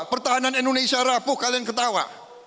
pertahanan indonesia rapuh kalian ketawa